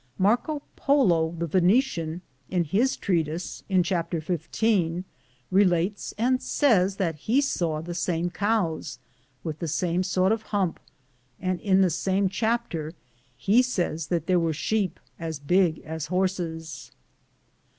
Marco Polo, the Venetian, in his treatise, in chapter 15, relates and says that (he saw) the same cows, with the same sort or hump ; and in the same chapter he says that there are sheep as big as horses.